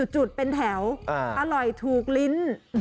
จุดเป็นแถวอร่อยถูกลิ้น